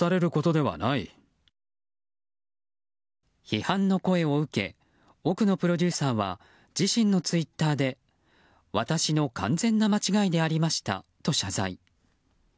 批判の声を受け奥野プロデューサーは自身のツイッターで私の完全な間違いでありましたと謝罪。